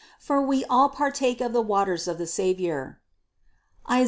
For we all partake of the waters of the Savior (Is.